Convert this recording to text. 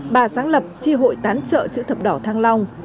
bà sáng lập chi hội tán trợ chữ thập đỏ thang long